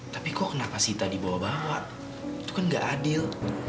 tapi kok kenapa sita dibawa bawa itu kan gak adil